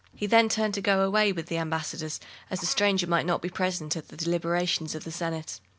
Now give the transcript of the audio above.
He then turned to go away with the ambassadors, as a stranger might not be present at the deliberations of the Senate.